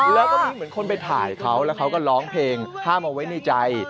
แล้วก็มีเหมือนคนไปถ่ายเขาแล้วเขาก็ร้องเพลงห้ามเอาไว้ในใจ